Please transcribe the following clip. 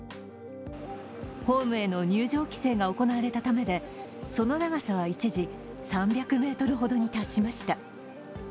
ホームへの入場規制が行われたためでその長さは一時３００ｍほどに達しました。